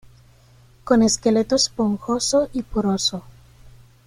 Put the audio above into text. Con esqueleto esponjoso y poroso.